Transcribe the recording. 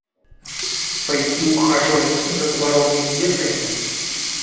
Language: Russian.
Пойти ухаживать за дворовыми девками?